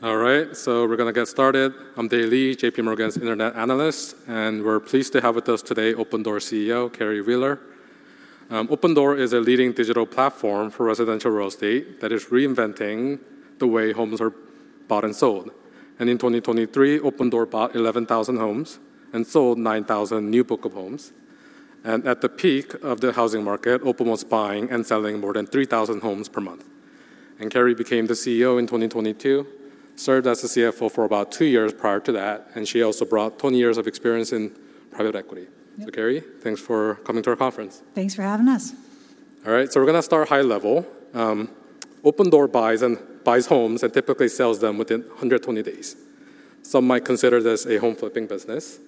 All right, so we're gonna get started. I'm Dae Lee, J.P. Morgan's internet analyst, and we're pleased to have with us today Opendoor CEO Carrie Wheeler. Opendoor is a leading digital platform for residential real estate that is reinventing the way homes are bought and sold. In 2023, Opendoor bought 11,000 homes and sold 9,000 new book of homes. At the peak of the housing market, Opendoor was buying and selling more than 3,000 homes per month. Carrie became the CEO in 2022, served as the CFO for about 2 years prior to that, and she also brought 20 years of experience in private equity. Yep. Carrie, thanks for coming to our conference. Thanks for having us. All right, so we're gonna start high level. Opendoor buys homes and typically sells them within 120 days. Some might consider this a home flipping business.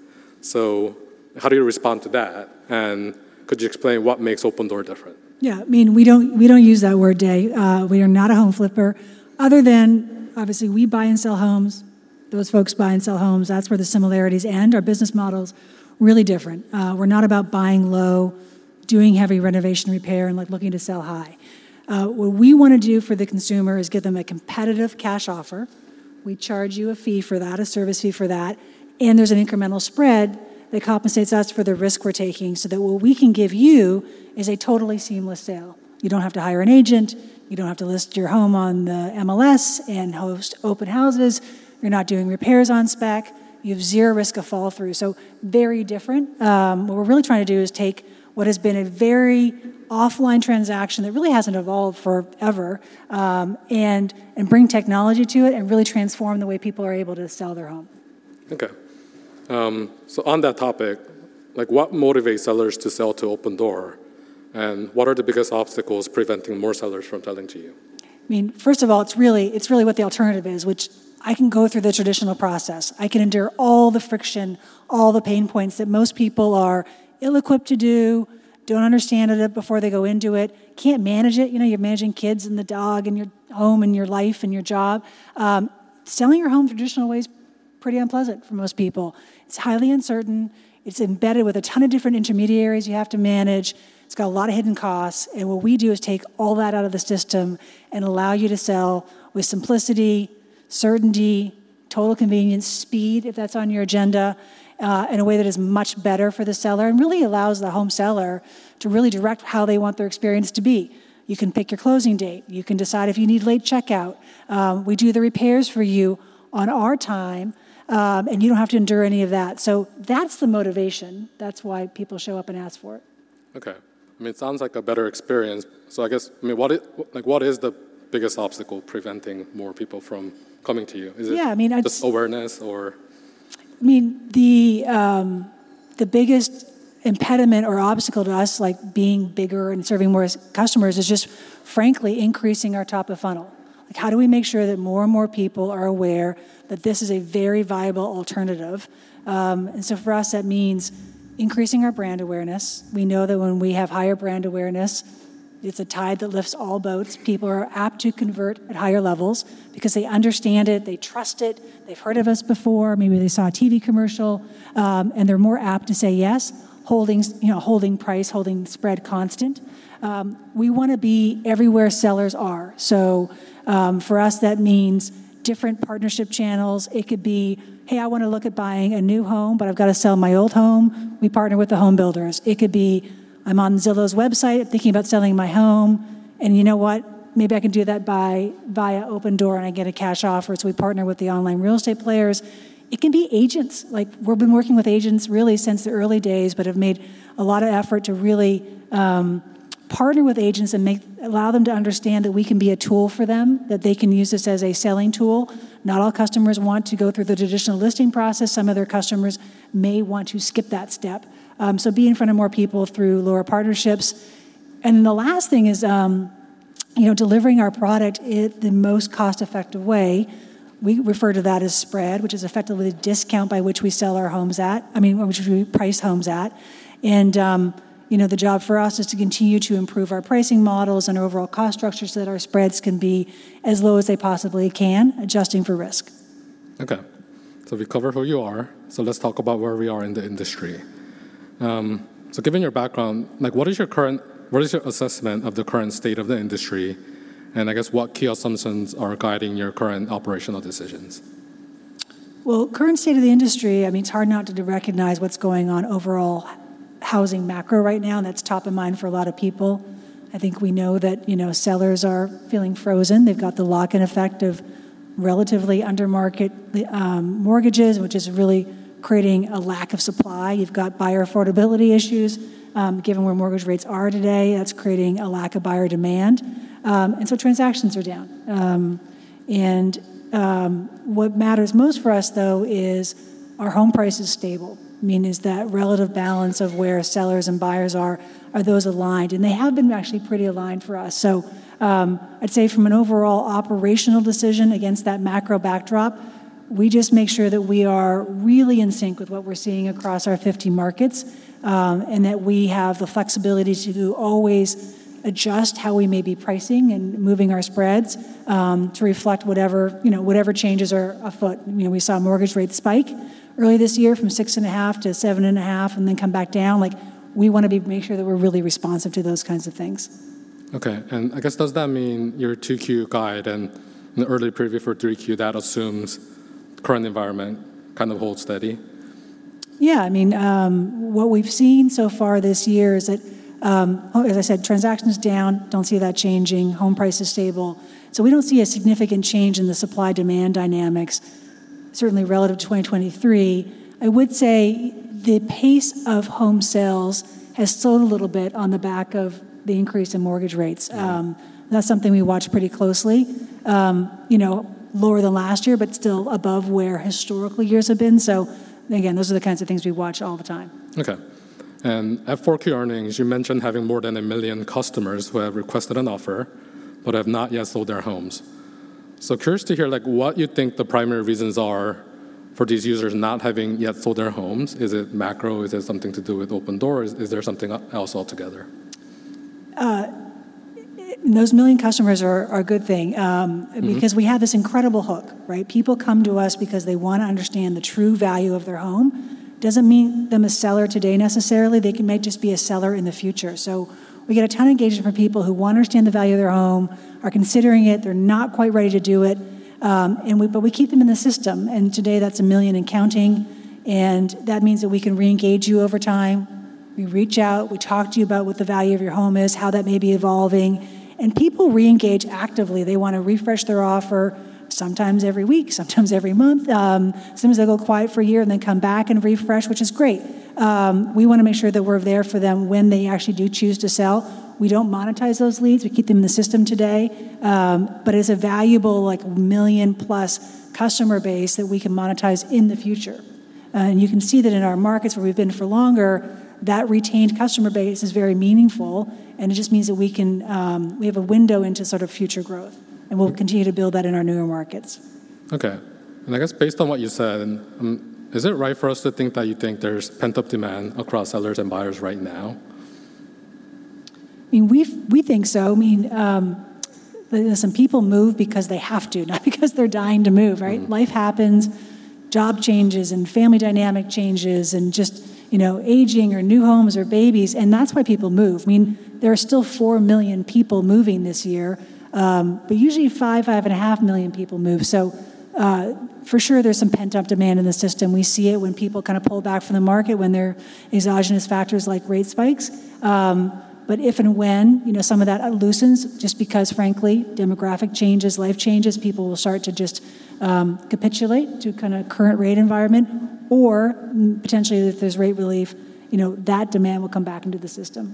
So how do you respond to that, and could you explain what makes Opendoor different? Yeah, I mean, we don't, we don't use that word, Dae. We are not a home flipper. Other than obviously, we buy and sell homes, those folks buy and sell homes. That's where the similarities, and our business model's really different. We're not about buying low, doing heavy renovation, repair, and, like, looking to sell high. What we wanna do for the consumer is give them a competitive cash offer. We charge you a fee for that, a service fee for that, and there's an incremental spread that compensates us for the risk we're taking, so that what we can give you is a totally seamless sale. You don't have to hire an agent. You don't have to list your home on the MLS and host open houses. You're not doing repairs on spec. You have zero risk of fall-through. So very different. What we're really trying to do is take what has been a very offline transaction that really hasn't evolved forever, and bring technology to it and really transform the way people are able to sell their home. Okay. So on that topic, like, what motivates sellers to sell to Opendoor, and what are the biggest obstacles preventing more sellers from selling to you? I mean, first of all, it's really, it's really what the alternative is, which I can go through the traditional process. I can endure all the friction, all the pain points that most people are ill-equipped to do, don't understand it before they go into it, can't manage it. You know, you're managing kids and the dog and your home and your life and your job. Selling your home the traditional way is pretty unpleasant for most people. It's highly uncertain. It's embedded with a ton of different intermediaries you have to manage. It's got a lot of hidden costs, and what we do is take all that out of the system and allow you to sell with simplicity, certainty, total convenience, speed, if that's on your agenda, in a way that is much better for the seller and really allows the home seller to really direct how they want their experience to be. You can pick your closing date. You can decide if you need late checkout. We do the repairs for you on our time, and you don't have to endure any of that. So that's the motivation. That's why people show up and ask for it. Okay. I mean, it sounds like a better experience. So I guess, I mean, what is... Like, what is the biggest obstacle preventing more people from coming to you? Yeah, I mean, Is it just awareness or? I mean, the biggest impediment or obstacle to us, like being bigger and serving more customers, is just, frankly, increasing our top of funnel. Like, how do we make sure that more and more people are aware that this is a very viable alternative? And so for us, that means increasing our brand awareness. We know that when we have higher brand awareness, it's a tide that lifts all boats. People are apt to convert at higher levels because they understand it, they trust it, they've heard of us before, maybe they saw a TV commercial, and they're more apt to say yes, holding, you know, holding price, holding spread constant. We wanna be everywhere sellers are. So, for us, that means different partnership channels. It could be, "Hey, I wanna look at buying a new home, but I've got to sell my old home." We partner with the home builders. It could be, "I'm on Zillow's website, thinking about selling my home, and you know what? Maybe I can do that by, via Opendoor, and I get a cash offer." So we partner with the online real estate players. It can be agents. Like, we've been working with agents really since the early days, but have made a lot of effort to really partner with agents and allow them to understand that we can be a tool for them, that they can use us as a selling tool. Not all customers want to go through the traditional listing process. Some other customers may want to skip that step. So be in front of more people through lower partnerships. The last thing is, you know, delivering our product in the most cost-effective way. We refer to that as spread, which is effectively the discount by which we sell our homes at, I mean, which we price homes at. You know, the job for us is to continue to improve our pricing models and overall cost structure so that our spreads can be as low as they possibly can, adjusting for risk. Okay, so we covered who you are. Let's talk about where we are in the industry. Given your background, like, what is your assessment of the current state of the industry, and I guess what key assumptions are guiding your current operational decisions? Well, current state of the industry, I mean, it's hard not to recognize what's going on overall housing macro right now, and that's top of mind for a lot of people. I think we know that, you know, sellers are feeling frozen. They've got the lock-in effect of relatively under-market mortgages, which is really creating a lack of supply. You've got buyer affordability issues. Given where mortgage rates are today, that's creating a lack of buyer demand. And so transactions are down. And what matters most for us, though, is are home prices stable? I mean, is that relative balance of where sellers and buyers are, are those aligned? And they have been actually pretty aligned for us. I'd say from an overall operational decision against that macro backdrop, we just make sure that we are really in sync with what we're seeing across our 50 markets, and that we have the flexibility to always adjust how we may be pricing and moving our spreads, to reflect whatever, you know, whatever changes are afoot. You know, we saw mortgage rates spike early this year from 6.5-7.5, and then come back down. Like, we wanna be, make sure that we're really responsive to those kinds of things.... Okay, and I guess does that mean your 2Q guide and an early preview for 3Q, that assumes current environment kind of holds steady? Yeah, I mean, what we've seen so far this year is that, as I said, transactions down, don't see that changing. Home price is stable. So we don't see a significant change in the supply-demand dynamics, certainly relative to 2023. I would say the pace of home sales has slowed a little bit on the back of the increase in mortgage rates. Yeah. That's something we watch pretty closely. You know, lower than last year, but still above where historical years have been. So again, those are the kinds of things we watch all the time. Okay. And at 4Q earnings, you mentioned having more than 1 million customers who have requested an offer but have not yet sold their homes. So curious to hear, like, what you think the primary reasons are for these users not having yet sold their homes? Is it macro? Is it something to do with Opendoor, or is there something else altogether? Those million customers are a good thing. Mm-hmm. Because we have this incredible hook, right? People come to us because they want to understand the true value of their home. Doesn't mean them a seller today, necessarily. They may just be a seller in the future. So we get a ton of engagement from people who want to understand the value of their home, are considering it, they're not quite ready to do it, but we keep them in the system, and today, that's 1 million and counting, and that means that we can re-engage you over time. We reach out, we talk to you about what the value of your home is, how that may be evolving, and people re-engage actively. They want to refresh their offer sometimes every week, sometimes every month, sometimes they go quiet for a year and then come back and refresh, which is great. We want to make sure that we're there for them when they actually do choose to sell. We don't monetize those leads. We keep them in the system today, but it's a valuable, like, 1+ million customer base that we can monetize in the future. And you can see that in our markets where we've been for longer, that retained customer base is very meaningful, and it just means that we can, we have a window into sort of future growth, and we'll continue to build that in our newer markets. Okay. And I guess based on what you said, is it right for us to think that you think there's pent-up demand across sellers and buyers right now? I mean, we think so. I mean, listen, people move because they have to, not because they're dying to move, right? Mm-hmm. Life happens, job changes, and family dynamic changes, and just, you know, aging or new homes or babies, and that's why people move. I mean, there are still 4 million people moving this year, but usually 5, 5.5 million people move. So, for sure, there's some pent-up demand in the system. We see it when people kind of pull back from the market when there are exogenous factors like rate spikes. But if and when, you know, some of that loosens, just because, frankly, demographic changes, life changes, people will start to just, capitulate to kind of current rate environment or potentially, if there's rate relief, you know, that demand will come back into the system.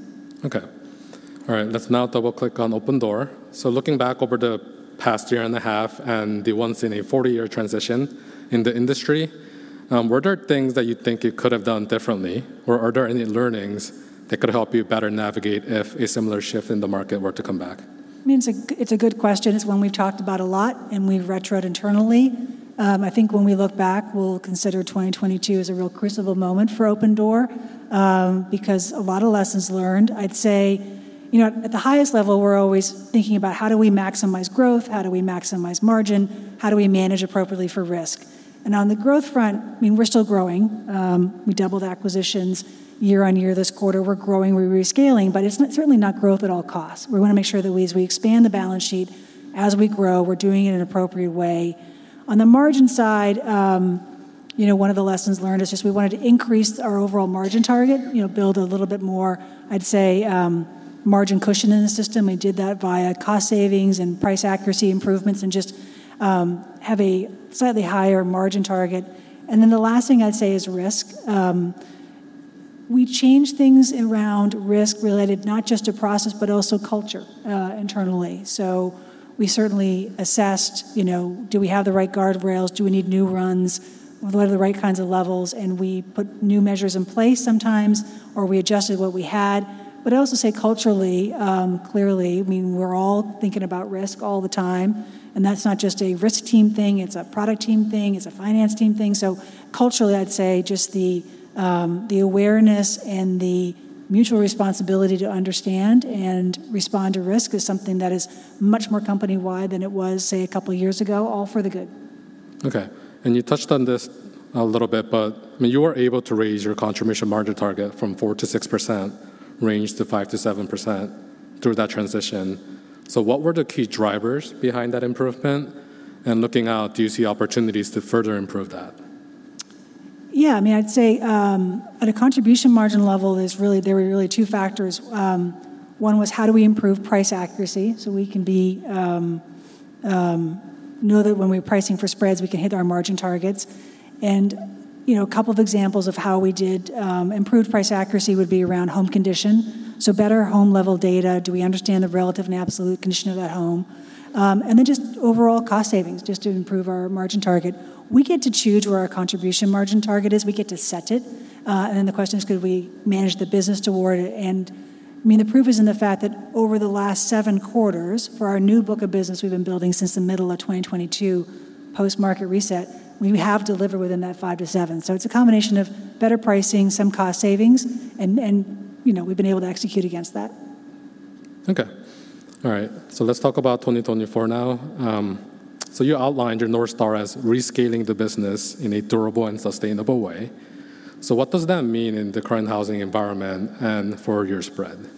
Okay. All right, let's now double-click on Opendoor. So looking back over the past year and a half and the once-in-a-40-year transition in the industry, were there things that you think you could have done differently, or are there any learnings that could help you better navigate if a similar shift in the market were to come back? I mean, it's a good question. It's one we've talked about a lot, and we've retroed internally. I think when we look back, we'll consider 2022 as a real crucible moment for Opendoor, because a lot of lessons learned. I'd say, you know, at the highest level, we're always thinking about: How do we maximize growth? How do we maximize margin? How do we manage appropriately for risk? And on the growth front, I mean, we're still growing. We doubled acquisitions year-over-year this quarter. We're growing, we're rescaling, but it's not, certainly not growth at all costs. We want to make sure that we, as we expand the balance sheet, as we grow, we're doing it in an appropriate way. On the margin side, you know, one of the lessons learned is just we wanted to increase our overall margin target. You know, build a little bit more, I'd say, margin cushion in the system. We did that via cost savings and price accuracy improvements and just have a slightly higher margin target. And then the last thing I'd say is risk. We changed things around risk related not just to process, but also culture, internally. So we certainly assessed, you know, do we have the right guardrails? Do we need new runs? What are the right kinds of levels? And we put new measures in place sometimes, or we adjusted what we had. But I also say culturally, clearly, I mean, we're all thinking about risk all the time, and that's not just a risk team thing, it's a product team thing, it's a finance team thing. Culturally, I'd say just the awareness and the mutual responsibility to understand and respond to risk is something that is much more company-wide than it was, say, a couple of years ago, all for the good. Okay, and you touched on this a little bit, but I mean, you were able to raise your contribution margin target from 4%-6% range to 5%-7% through that transition. So what were the key drivers behind that improvement? And looking out, do you see opportunities to further improve that? Yeah, I mean, I'd say, at a contribution margin level, there were really two factors. One was: How do we improve price accuracy so we can be, know that when we're pricing for spreads, we can hit our margin targets? And, you know, a couple of examples of how we did, improve price accuracy would be around home condition. So better home-level data. Do we understand the relative and absolute condition of that home? And then just overall cost savings, just to improve our margin target. We get to choose where our contribution margin target is. We get to set it. And then the question is: Could we manage the business toward it? I mean, the proof is in the fact that over the last seven quarters, for our new book of business we've been building since the middle of 2022, post-market reset, we have delivered within that 5-7. It's a combination of better pricing, some cost savings, and you know, we've been able to execute against that. Okay. All right, so let's talk about 2024 now. So you outlined your North Star as rescaling the business in a durable and sustainable way. So what does that mean in the current housing environment and for your spread?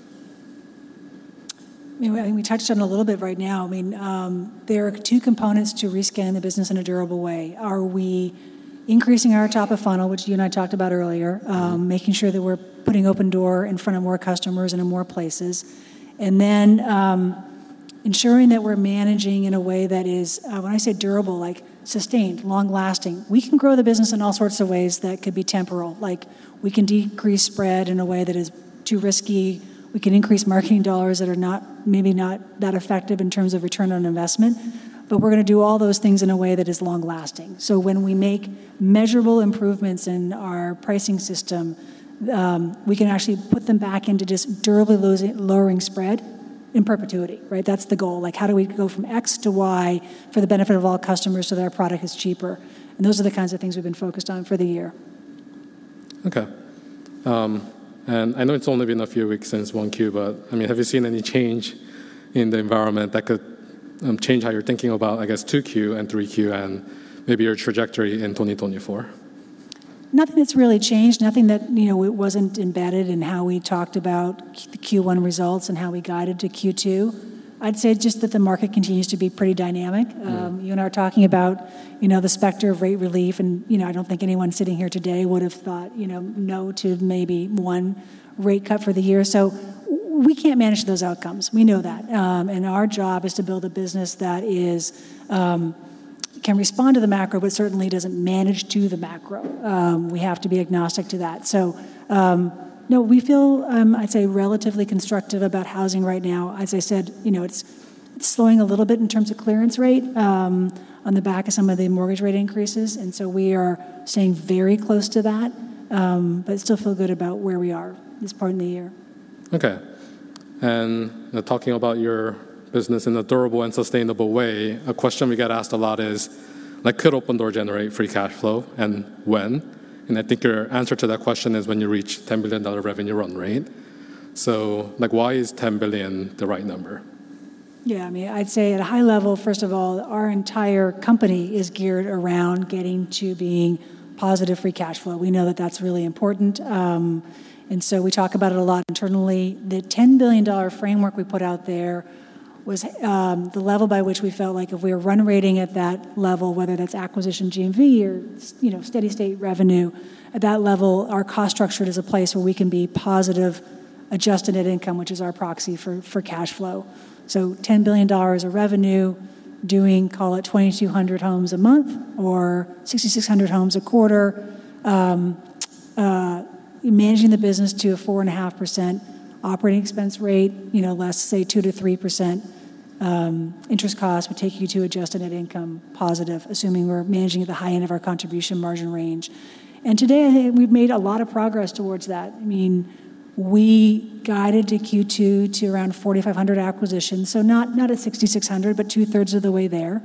I mean, we touched on it a little bit right now. I mean, there are two components to rescaling the business in a durable way. Are we increasing our top of funnel, which you and I talked about earlier, making sure that we're putting Opendoor in front of more customers and in more places, and then, ensuring that we're managing in a way that is, when I say durable, like sustained, long-lasting? We can grow the business in all sorts of ways that could be temporal. Like, we can decrease spread in a way that is too risky. We can increase marketing dollars that are maybe not that effective in terms of return on investment, but we're gonna do all those things in a way that is long-lasting. So when we make measurable improvements in our pricing system, we can actually put them back into just durably lowering spread in perpetuity, right? That's the goal. Like, how do we go from X to Y for the benefit of all customers, so that our product is cheaper? And those are the kinds of things we've been focused on for the year. Okay. I know it's only been a few weeks since 1Q, but, I mean, have you seen any change in the environment that could change how you're thinking about, I guess, 2Q and 3Q, and maybe your trajectory in 2024? Nothing that's really changed. Nothing that, you know, wasn't embedded in how we talked about the Q1 results and how we guided to Q2. I'd say just that the market continues to be pretty dynamic. Mm. You and I are talking about, you know, the specter of rate relief, and, you know, I don't think anyone sitting here today would have thought, you know, no to maybe one rate cut for the year. So we can't manage those outcomes. We know that. Our job is to build a business that can respond to the macro, but certainly doesn't manage to the macro. We have to be agnostic to that. So, no, we feel, I'd say, relatively constructive about housing right now. As I said, you know, it's slowing a little bit in terms of clearance rate, on the back of some of the mortgage rate increases, and so we are staying very close to that, but still feel good about where we are this part in the year. Okay. And talking about your business in a durable and sustainable way, a question we get asked a lot is: like, could Opendoor generate free cash flow, and when? And I think your answer to that question is when you reach $10 billion revenue run rate. So, like, why is $10 billion the right number? Yeah, I mean, I'd say at a high level, first of all, our entire company is geared around getting to being positive free cash flow. We know that that's really important, and so we talk about it a lot internally. The $10 billion framework we put out there was the level by which we felt like if we were run rating at that level, whether that's acquisition GMV or, you know, steady state revenue, at that level, our cost structure is a place where we can be positive, adjusted net income, which is our proxy for cash flow. So $10 billion of revenue, doing, call it 2,200 homes a month or 6,600 homes a quarter, managing the business to a 4.5% operating expense rate, you know, less, say, 2%-3%, interest costs would take you to adjusted net income positive, assuming we're managing at the high end of our contribution margin range. And today, I think we've made a lot of progress towards that. I mean, we guided to Q2 to around 4,500 acquisitions, so not, not at 6,600, but two-thirds of the way there.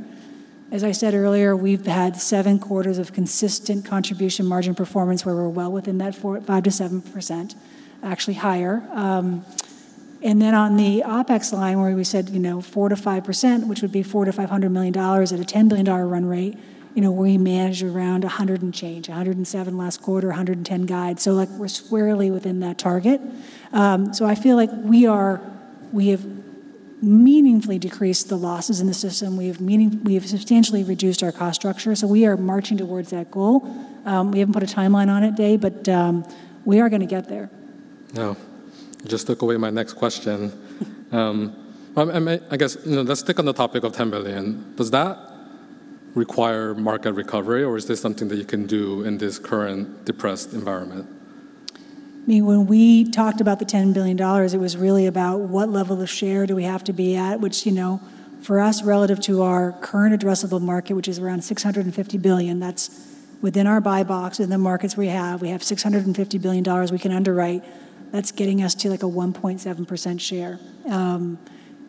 As I said earlier, we've had 7 quarters of consistent contribution margin performance, where we're well within that 4... 5%-7%, actually higher. And then on the OpEx line, where we said, you know, 4%-5%, which would be $400 million-$500 million at a $10 billion run rate, you know, we managed around a hundred and change, $107 last quarter, $110 guide. So, like, we're squarely within that target. So I feel like we have meaningfully decreased the losses in the system. We have substantially reduced our cost structure, so we are marching towards that goal. We haven't put a timeline on it, Dae, but we are gonna get there. Oh, you just took away my next question. I guess, you know, let's stick on the topic of $10 billion. Does that require market recovery, or is this something that you can do in this current depressed environment? I mean, when we talked about the $10 billion, it was really about what level of share do we have to be at, which, you know, for us, relative to our current addressable market, which is around $650 billion, that's within our buy box, within the markets we have. We have $650 billion we can underwrite. That's getting us to, like, a 1.7% share,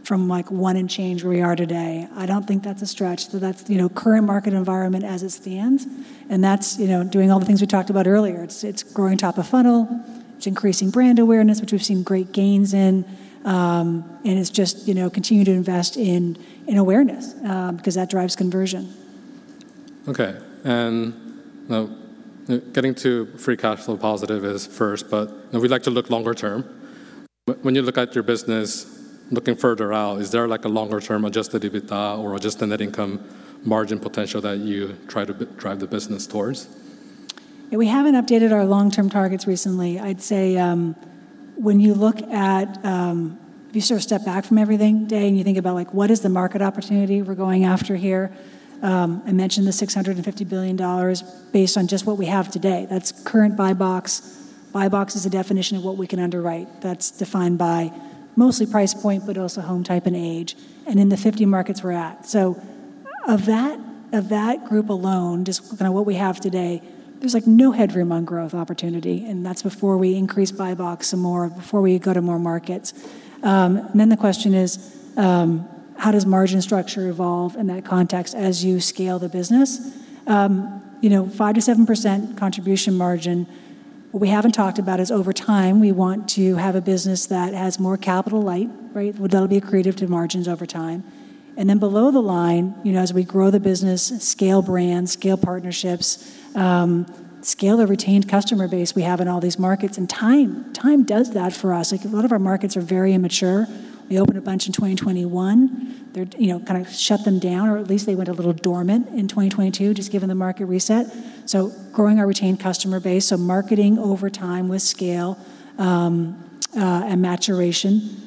from, like, 1 and change where we are today. I don't think that's a stretch. So that's, you know, current market environment as it stands, and that's, you know, doing all the things we talked about earlier. It's growing top of funnel, it's increasing brand awareness, which we've seen great gains in, and it's just, you know, continue to invest in awareness, because that drives conversion. Okay, now, getting to free cash flow positive is first, but we like to look longer term. When you look at your business, looking further out, is there, like, a longer term adjusted EBITDA or adjusted net income margin potential that you try to drive the business towards? We haven't updated our long-term targets recently. I'd say, when you look at, if you sort of step back from everything, Dae, and you think about, like, what is the market opportunity we're going after here? I mentioned the $650 billion based on just what we have today. That's current buy box. Buy box is a definition of what we can underwrite. That's defined by mostly price point, but also home type and age, and in the 50 markets we're at. So of that, of that group alone, just kind of what we have today, there's, like, no headroom on growth opportunity, and that's before we increase buy box some more, before we go to more markets. Then the question is, how does margin structure evolve in that context as you scale the business? You know, 5%-7% contribution margin. What we haven't talked about is over time, we want to have a business that has more capital light, right? Well, that'll be accretive to margins over time. And then below the line, you know, as we grow the business, scale brands, scale partnerships, scale the retained customer base we have in all these markets, and time, time does that for us. Like, a lot of our markets are very immature. We opened a bunch in 2021. They're, you know, kind of shut them down, or at least they went a little dormant in 2022, just given the market reset. So growing our retained customer base, so marketing over time with scale, and maturation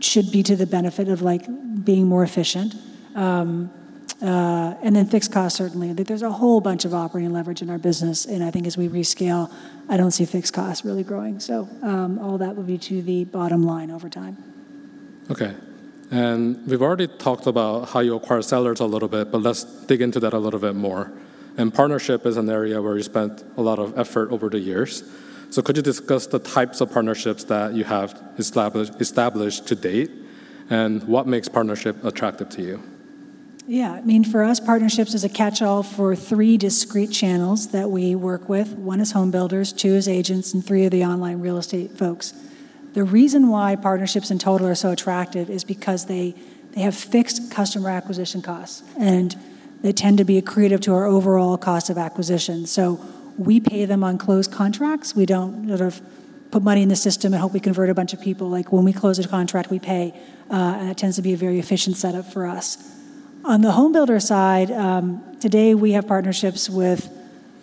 should be to the benefit of, like, being more efficient. And then fixed costs, certainly. There's a whole bunch of operating leverage in our business, and I think as we rescale, I don't see fixed costs really growing. So, all that will be to the bottom line over time. Okay. We've already talked about how you acquire sellers a little bit, but let's dig into that a little bit more. Partnership is an area where you spent a lot of effort over the years. Could you discuss the types of partnerships that you have established to date, and what makes partnership attractive to you? Yeah. I mean, for us, partnerships is a catch-all for three discrete channels that we work with. One is home builders, two is agents, and three are the online real estate folks. The reason why partnerships in total are so attractive is because they, they have fixed customer acquisition costs, and they tend to be accretive to our overall cost of acquisition. So we pay them on closed contracts. We don't sort of put money in the system and hope we convert a bunch of people. Like, when we close a contract, we pay, and it tends to be a very efficient setup for us. On the home builder side, today we have partnerships with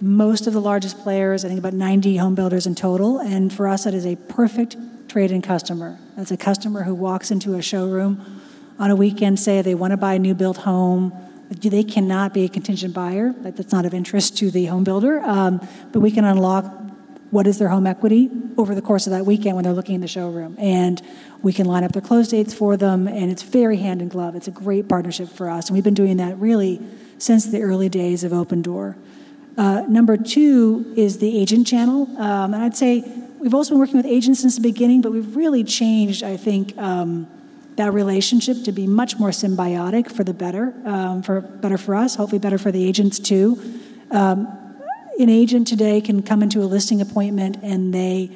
most of the largest players, I think about 90 home builders in total, and for us, that is a perfect trade-in customer. That's a customer who walks into a showroom on a weekend, say, they want to buy a new-built home. They cannot be a contingent buyer. Like, that's not of interest to the home builder. But we can unlock what is their home equity over the course of that weekend when they're looking in the showroom, and we can line up the close dates for them, and it's very hand in glove. It's a great partnership for us, and we've been doing that really since the early days of Opendoor. Number two is the agent channel. And I'd say we've also been working with agents since the beginning, but we've really changed, I think, that relationship to be much more symbiotic for the better, for better for us, hopefully better for the agents, too. An agent today can come into a listing appointment, and they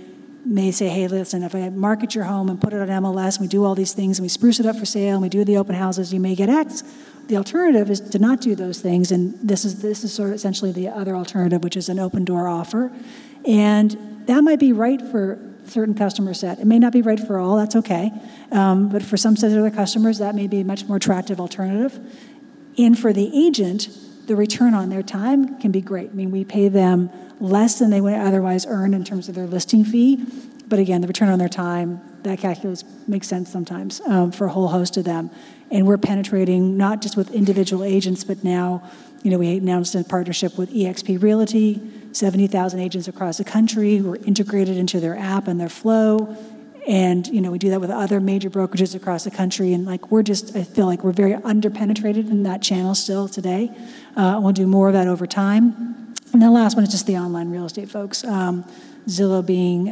may say, "Hey, listen, if I market your home and put it on MLS, and we do all these things, and we spruce it up for sale, and we do the open houses, you may get X." The alternative is to not do those things, and this is sort of essentially the other alternative, which is an Opendoor offer, and that might be right for a certain customer set. It may not be right for all, that's okay, but for some set of other customers, that may be a much more attractive alternative. And for the agent, the return on their time can be great. I mean, we pay them less than they would otherwise earn in terms of their listing fee, but again, the return on their time, that calculus makes sense sometimes, for a whole host of them. And we're penetrating not just with individual agents, but now, you know, we announced a partnership with eXp Realty, 70,000 agents across the country who are integrated into their app and their flow, and, you know, we do that with other major brokerages across the country, and, like, we're just-- I feel like we're very under-penetrated in that channel still today. We'll do more of that over time. And the last one is just the online real estate folks, Zillow being,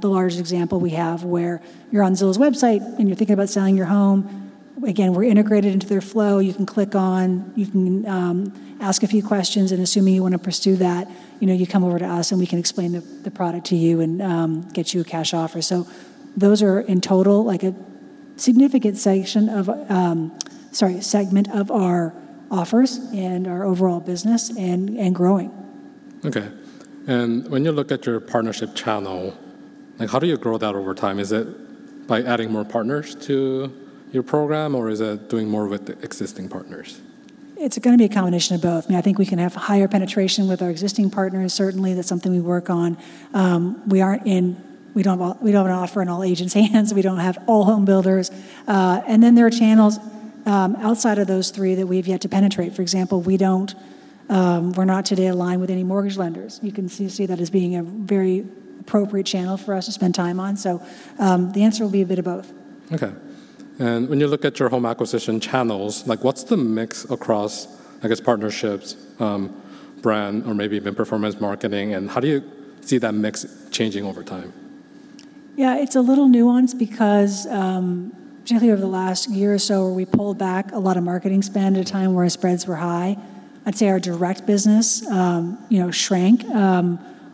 the largest example we have, where you're on Zillow's website, and you're thinking about selling your home. Again, we're integrated into their flow. You can click on... You can ask a few questions, and assuming you want to pursue that, you know, you come over to us, and we can explain the product to you and get you a cash offer. So those are, in total, like a significant segment of our offers and our overall business and growing. Okay. And when you look at your partnership channel, like, how do you grow that over time? Is it by adding more partners to your program, or is it doing more with the existing partners? It's gonna be a combination of both. I mean, I think we can have higher penetration with our existing partners. Certainly, that's something we work on. We don't have an offer in all agents' hands. We don't have all home builders. And then there are channels outside of those three that we've yet to penetrate. For example, we're not today aligned with any mortgage lenders. You can see that as being a very appropriate channel for us to spend time on. So, the answer will be a bit of both. Okay. And when you look at your home acquisition channels, like, what's the mix across, I guess, partnerships, brand, or maybe even performance marketing, and how do you see that mix changing over time? Yeah, it's a little nuanced because, generally over the last year or so, we pulled back a lot of marketing spend at a time where our spreads were high. I'd say our direct business, you know, shrank,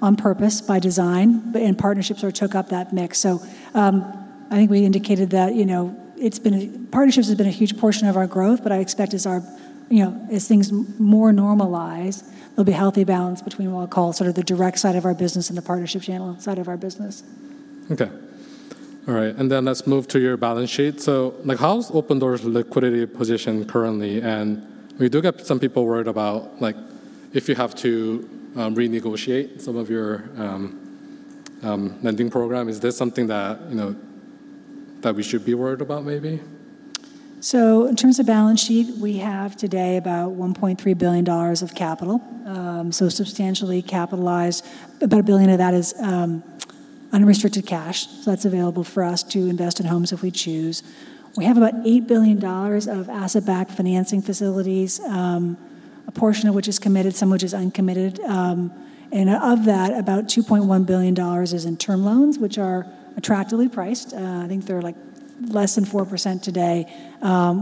on purpose, by design, but partnerships sort of took up that mix. So, I think we indicated that, you know, partnerships has been a huge portion of our growth, but I expect as our, you know, as things more normalize, there'll be a healthy balance between what I'll call sort of the direct side of our business and the partnership channel side of our business. Okay. All right, and then let's move to your balance sheet. So, like, how's Opendoor's liquidity position currently? And we do get some people worried about, like, if you have to, renegotiate some of your, lending program. Is this something that, you know, that we should be worried about maybe? So in terms of balance sheet, we have today about $1.3 billion of capital, so substantially capitalized. About $1 billion of that is unrestricted cash, so that's available for us to invest in homes if we choose. We have about $8 billion of asset-backed financing facilities, a portion of which is committed, some which is uncommitted. And of that, about $2.1 billion is in term loans, which are attractively priced. I think they're, like, less than 4% today,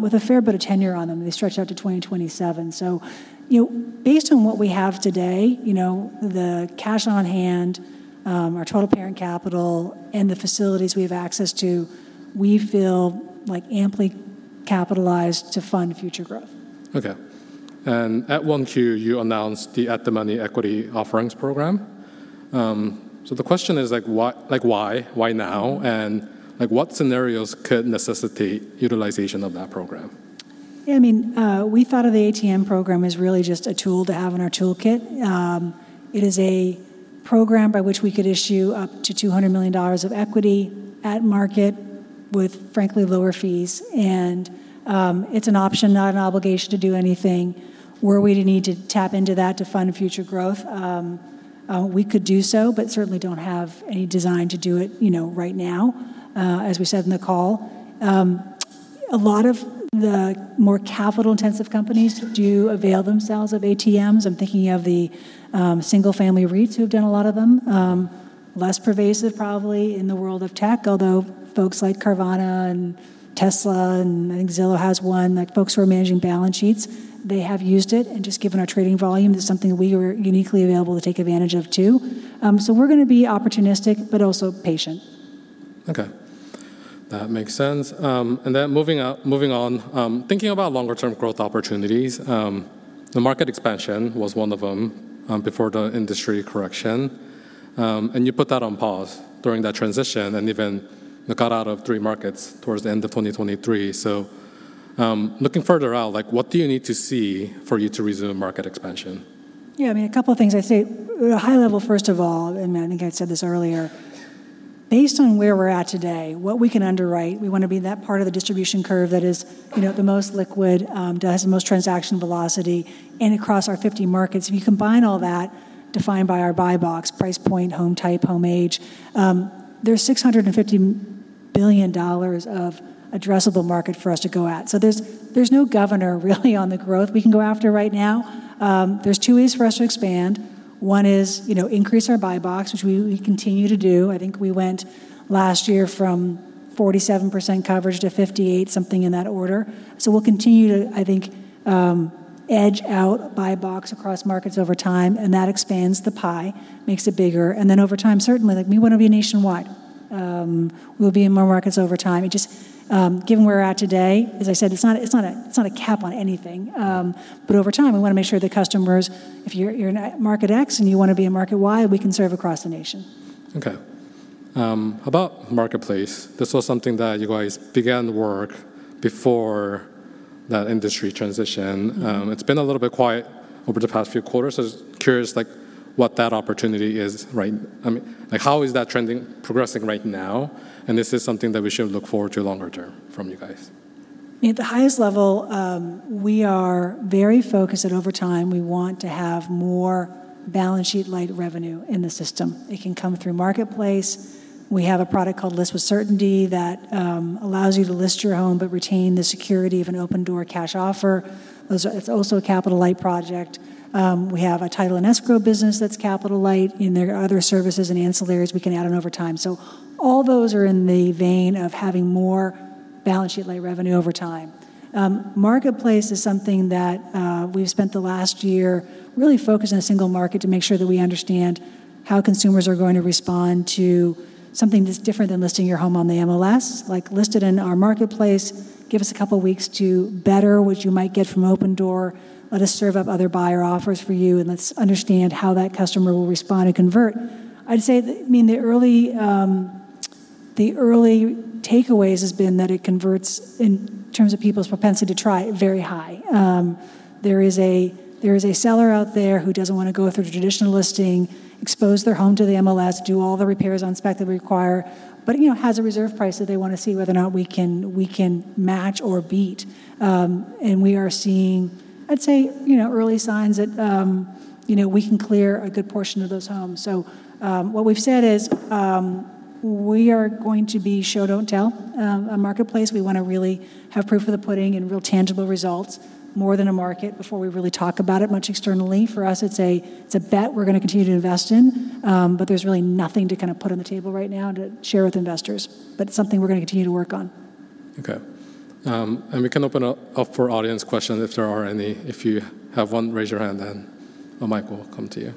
with a fair bit of tenure on them. They stretch out to 2027. So, you know, based on what we have today, you know, the cash on hand, our total parent capital, and the facilities we have access to, we feel, like, amply capitalized to fund future growth. Okay. And at 1Q, you announced the At-the-Money Equity Offerings program. So the question is, like, why, like, why? Why now, and, like, what scenarios could necessitate utilization of that program? Yeah, I mean, we thought of the ATM program as really just a tool to have in our toolkit. It is a program by which we could issue up to $200 million of equity at market with, frankly, lower fees. And, it's an option, not an obligation to do anything. Were we to need to tap into that to fund future growth, we could do so, but certainly don't have any design to do it, you know, right now, as we said in the call. A lot of the more capital-intensive companies do avail themselves of ATMs. I'm thinking of the, single-family REITs who've done a lot of them. Less pervasive, probably, in the world of tech, although folks like Carvana and Tesla, and I think Zillow has one. Like, folks who are managing balance sheets, they have used it, and just given our trading volume, that's something we are uniquely available to take advantage of, too. So, we're gonna be opportunistic, but also patient. Okay, that makes sense. And then moving on, thinking about longer-term growth opportunities, the market expansion was one of them, before the industry correction. And you put that on pause during that transition and even got out of three markets towards the end of 2023. So, looking further out, like, what do you need to see for you to resume market expansion? Yeah, I mean, a couple of things. I'd say at a high level, first of all, and I think I said this earlier, based on where we're at today, what we can underwrite, we want to be that part of the distribution curve that is, you know, the most liquid, that has the most transaction velocity, and across our 50 markets. If you combine all that, defined by our buy box, price point, home type, home age, there's $650 billion of addressable market for us to go at. So there's, there's no governor really on the growth we can go after right now. There's two ways for us to expand. One is, you know, increase our buy box, which we, we continue to do. I think we went last year from 47% coverage to 58, something in that order. So we'll continue to, I think, edge out buy box across markets over time, and that expands the pie, makes it bigger. And then over time, certainly, like, we want to be nationwide. We'll be in more markets over time. It just, given where we're at today, as I said, it's not a cap on anything. But over time, we want to make sure that customers, if you're in market X, and you want to be in market Y, we can serve across the nation. Okay. About Marketplace, this was something that you guys began work before that industry transition. Mm-hmm. It's been a little bit quiet over the past few quarters. I was curious, like, what that opportunity is, right... I mean, like, how is that trending progressing right now? And is this something that we should look forward to longer term from you guys? At the highest level, we are very focused, and over time, we want to have more balance sheet light revenue in the system. It can come through Marketplace. We have a product called List with Certainty that allows you to list your home but retain the security of an Opendoor cash offer. It's also a capital-light project. We have a title and escrow business that's capital light, and there are other services and ancillaries we can add on over time. So all those are in the vein of having more balance sheet light revenue over time. Marketplace is something that we've spent the last year really focused on a single market to make sure that we understand how consumers are going to respond to something that's different than listing your home on the MLS. Like, list it in our Marketplace, give us a couple of weeks to better what you might get from Opendoor. Let us serve up other buyer offers for you, and let's understand how that customer will respond and convert. I'd say, I mean, the early takeaways has been that it converts, in terms of people's propensity to try, very high. There is a seller out there who doesn't want to go through the traditional listing, expose their home to the MLS, do all the repairs on spec that we require, but, you know, has a reserve price that they want to see whether or not we can match or beat. And we are seeing, I'd say, you know, early signs that, you know, we can clear a good portion of those homes. What we've said is, we are going to be show, don't tell, on Marketplace. We want to really have proof of the pudding and real tangible results, more than a market, before we really talk about it much externally. For us, it's a, it's a bet we're gonna continue to invest in, but there's really nothing to kind of put on the table right now to share with investors. It's something we're gonna continue to work on. Okay. We can open up for audience questions, if there are any. If you have one, raise your hand, and a mic will come to you.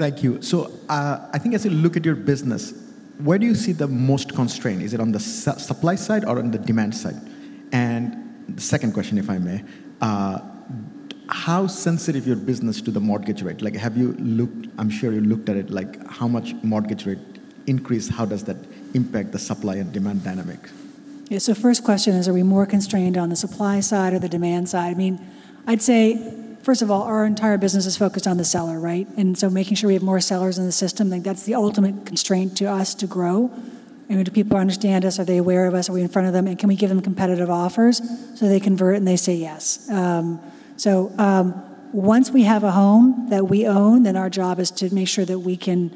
Thank you. So, I think as you look at your business, where do you see the most constraint? Is it on the supply side or on the demand side? And the second question, if I may, how sensitive your business to the mortgage rate? Like, have you looked? I'm sure you looked at it, like, how much mortgage rate increase, how does that impact the supply and demand dynamic? Yeah, so first question is, are we more constrained on the supply side or the demand side? I mean, I'd say, first of all, our entire business is focused on the seller, right? And so making sure we have more sellers in the system, like, that's the ultimate constraint to us to grow. You know, do people understand us? Are they aware of us? Are we in front of them, and can we give them competitive offers so they convert, and they say yes? Once we have a home that we own, then our job is to make sure that we can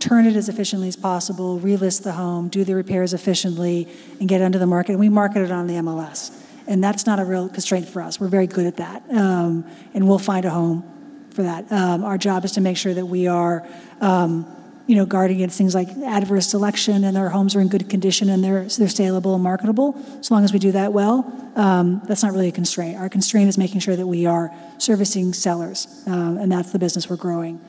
turn it as efficiently as possible, relist the home, do the repairs efficiently, and get it onto the market, and we market it on the MLS. And that's not a real constraint for us. We're very good at that, and we'll find a home for that. Our job is to make sure that we are, you know, guarding against things like adverse selection, and our homes are in good condition, and they're saleable and marketable. So long as we do that well, that's not really a constraint. Our constraint is making sure that we are servicing sellers, and that's the business we're growing.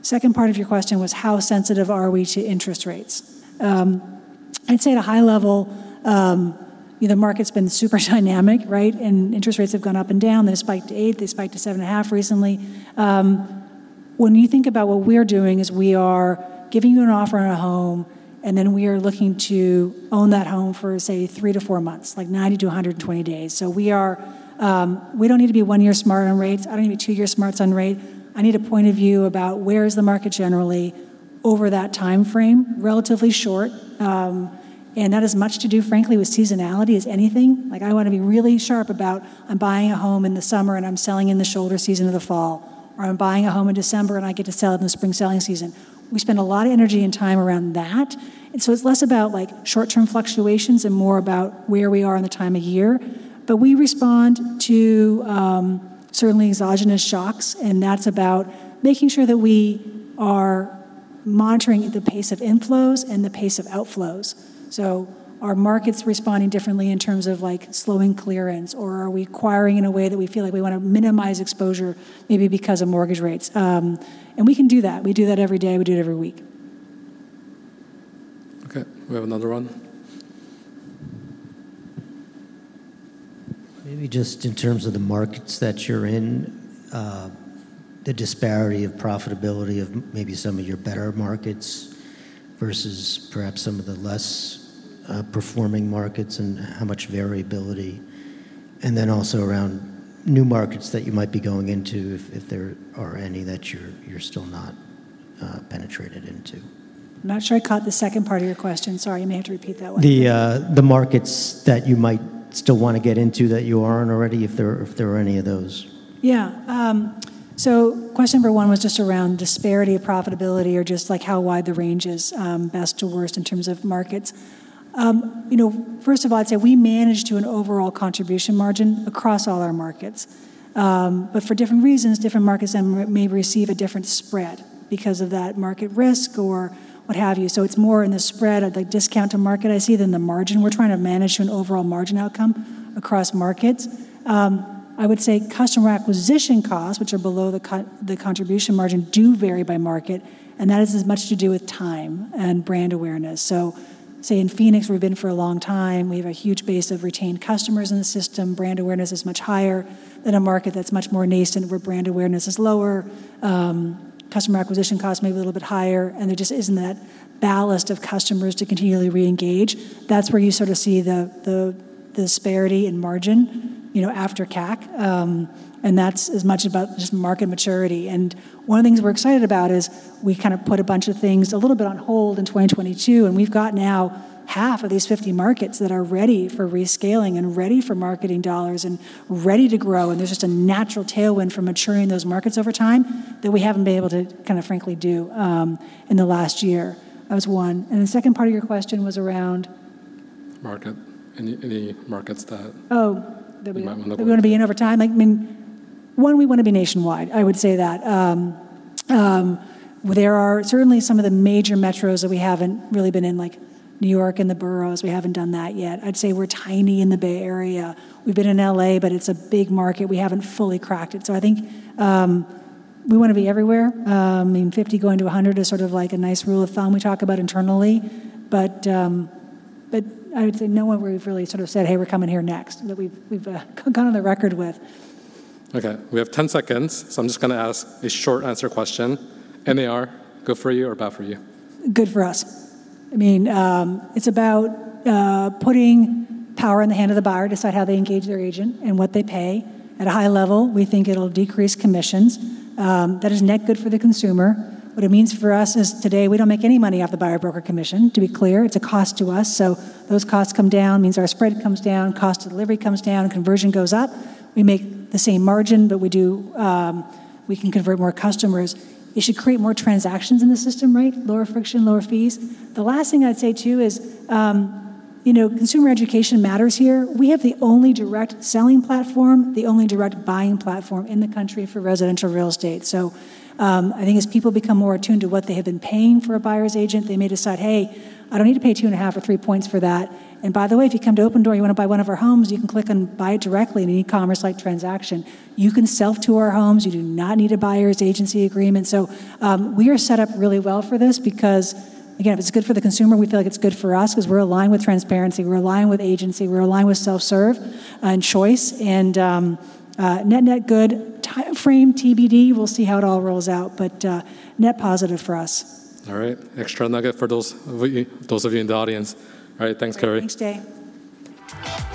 Second part of your question was, how sensitive are we to interest rates? I'd say at a high level, you know, the market's been super dynamic, right? And interest rates have gone up and down. They spiked to 8, they spiked to 7.5 recently. When you think about what we're doing is we are giving you an offer on a home, and then we are looking to own that home for, say, 3-4 months, like 90-120 days. So we are, we don't need to be 1 year smart on rates. I don't need to be 2 years smart on rate. I need a point of view about where is the market generally over that time frame, relatively short. And that has much to do, frankly, with seasonality as anything. Like, I want to be really sharp about, I'm buying a home in the summer, and I'm selling in the shoulder season of the fall, or I'm buying a home in December, and I get to sell it in the spring selling season. We spend a lot of energy and time around that, and so it's less about, like, short-term fluctuations and more about where we are in the time of year. But we respond to certainly exogenous shocks, and that's about making sure that we are monitoring the pace of inflows and the pace of outflows. So are markets responding differently in terms of, like, slowing clearance, or are we acquiring in a way that we feel like we want to minimize exposure, maybe because of mortgage rates? And we can do that. We do that every day. We do it every week. Okay, we have another one. Maybe just in terms of the markets that you're in, the disparity of profitability of maybe some of your better markets versus perhaps some of the less performing markets and how much variability, and then also around new markets that you might be going into, if there are any that you're still not penetrated into. I'm not sure I caught the second part of your question. Sorry, you may have to repeat that one. The markets that you might still want to get into that you aren't already, if there are any of those. Yeah, so question number one was just around disparity of profitability or just, like, how wide the range is, best to worst in terms of markets. You know, first of all, I'd say we manage to an overall contribution margin across all our markets. But for different reasons, different markets then may receive a different spread because of that market risk or what have you. So it's more in the spread of, like, discount to market I see, than the margin. We're trying to manage to an overall margin outcome across markets. I would say customer acquisition costs, which are below the contribution margin, do vary by market, and that is as much to do with time and brand awareness. So say, in Phoenix, we've been for a long time. We have a huge base of retained customers in the system. Brand awareness is much higher than a market that's much more nascent, where brand awareness is lower. Customer acquisition cost may be a little bit higher, and there just isn't that ballast of customers to continually re-engage. That's where you sort of see the disparity in margin, you know, after CAC. And that's as much about just market maturity. And one of the things we're excited about is we kind of put a bunch of things a little bit on hold in 2022, and we've got now half of these 50 markets that are ready for rescaling and ready for marketing dollars and ready to grow, and there's just a natural tailwind for maturing those markets over time that we haven't been able to kinda frankly do in the last year. That was one, and the second part of your question was around? Market. Any, any markets that- Oh. You might want to look at. We want to be in over time. Like, I mean, one, we want to be nationwide. I would say that. There are certainly some of the major metros that we haven't really been in, like New York and the boroughs. We haven't done that yet. I'd say we're tiny in the Bay Area. We've been in LA, but it's a big market. We haven't fully cracked it. So I think, we want to be everywhere. I mean, 50 going to 100 is sort of like a nice rule of thumb we talk about internally, but I would say nowhere we've really sort of said, "Hey, we're coming here next," that we've gone on the record with. Okay, we have 10 seconds, so I'm just gonna ask a short answer question. NAR, good for you or bad for you? Good for us. I mean, it's about putting power in the hand of the buyer, decide how they engage their agent and what they pay. At a high level, we think it'll decrease commissions. That is net good for the consumer. What it means for us is today we don't make any money off the buyer broker commission, to be clear. It's a cost to us. So those costs come down, means our spread comes down, cost of delivery comes down, conversion goes up. We make the same margin, but we do... we can convert more customers. It should create more transactions in the system, right? Lower friction, lower fees. The last thing I'd say, too, is, you know, consumer education matters here. We have the only direct selling platform, the only direct buying platform in the country for residential real estate. So, I think as people become more attuned to what they have been paying for a buyer's agent, they may decide, "Hey, I don't need to pay 2.5 or 3 points for that." And by the way, if you come to Opendoor, you want to buy one of our homes, you can click and buy it directly in an e-commerce-like transaction. You can self-tour our homes. You do not need a buyer's agency agreement. So, we are set up really well for this because, again, if it's good for the consumer, we feel like it's good for us because we're aligned with transparency, we're aligned with agency, we're aligned with self-serve, and choice, and net-net good. Timeframe TBD. We'll see how it all rolls out, but net positive for us. All right. Extra nugget for those of you, those of you in the audience. All right, thanks, Carrie. Thanks, Dae.